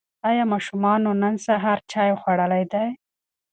ایا ماشومانو نن سهار چای خوړلی دی؟